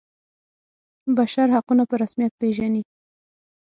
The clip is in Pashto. بشر حقونه په رسمیت پيژني.